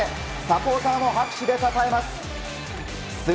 サポーターも拍手でたたえます。